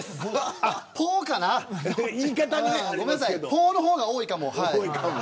ポの方が多いかも。